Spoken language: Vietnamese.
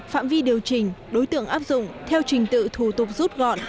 phạm vi điều chỉnh đối tượng áp dụng theo trình tự thủ tục rút gọn